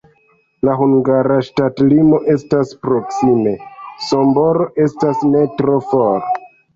La hungara ŝtatlimo estas proksime, Sombor estas ne tro for.